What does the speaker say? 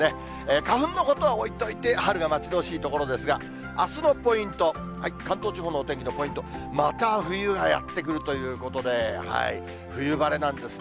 花粉のことは置いといて、春が待ち遠しいところですが、あすのポイント、関東地方のお天気のポイント、また冬がやって来るということで、冬晴れなんですね。